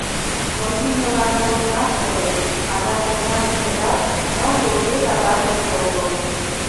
— Но имньылан поснак неле, адак мемнан имньыжат ныл йолге таганлыме огыл.